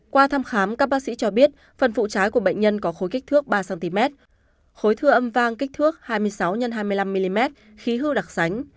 qua thăm khám các bác sĩ cho biết phần phụ trái của bệnh nhân có khối kích thước ba cm khối thưa âm vang kích thước hai mươi sáu x hai mươi năm mm khí hư đặc sánh